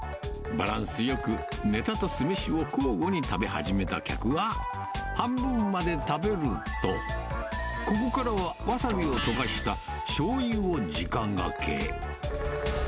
バランスよくネタと酢飯を交互に食べ始めた客は、半分まで食べると、ここからはワサビを溶かしたしょうゆをじかがけ。